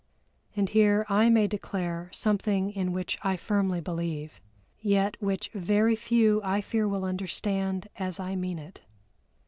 And here I may declare something in which I firmly believe, yet which very few I fear will understand as I mean it.